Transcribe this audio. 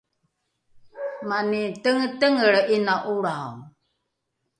mani tengetengelre ’ina ’olrao